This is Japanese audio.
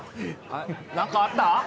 あれ何かあった？